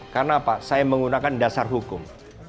karena apa saya menggunakan dasar hukum